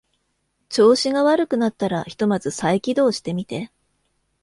調子が悪くなったらひとまず再起動してみて